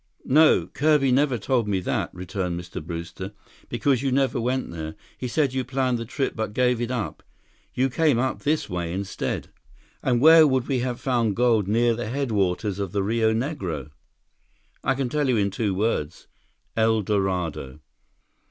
"No, Kirby never told me that," returned Mr. Brewster, "because you never went there. He said you planned the trip but gave it up. You came up this way instead." "And where would we have found gold near the headwaters of the Rio Negro?" "I can tell you in two words: El Dorado."